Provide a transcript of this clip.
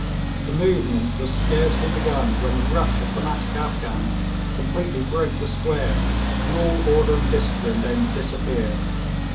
The movement was scarcely begun when a rush of fanatic Afghans completely broke the square, and all order and discipline then disappeared.